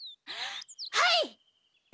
はい！